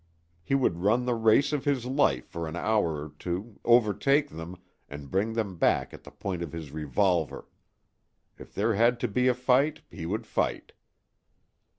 He would run the race of his life for an hour or two, overtake them, and bring them back at the point of his revolver. If there had to be a fight he would fight.